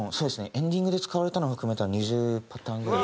エンディングで使われたのを含めたら２０パターンぐらい。